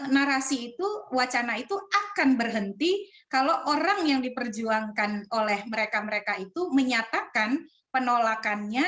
narasi itu wacana itu akan berhenti kalau orang yang diperjuangkan oleh mereka mereka itu menyatakan penolakannya